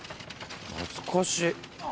懐かしい。